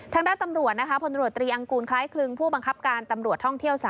ทางด้านตำรวจนะคะพลตำรวจตรีอังกูลคล้ายคลึงผู้บังคับการตำรวจท่องเที่ยว๓